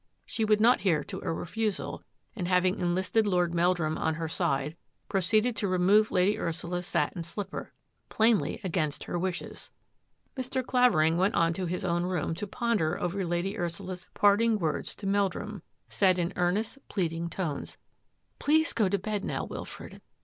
She would not hear to a refusal, and having enlisted Lord Meldrum on her side, proceeded to remove Lady Ursula's satin slipper, plainly against her wishes. Mr. Clavering went on to his own room to pon der over Lady Ursula's parting words to Meldrum, \ 80 THAT AFFAIR AT THE MANOR said in earnest, pleading tones :^^ Please go to bed now, Wilfred.